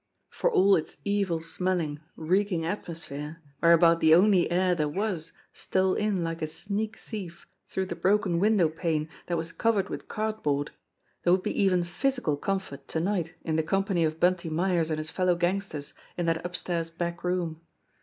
For all it's evil smelling, reeking atmosphere, where about the only air there was stole in like a sneak thief through the broken window pane that was covered with cardboard, there would be even physical comfort to night in the company of Bunty Myers and his fellow gangsters in that upstairs back room!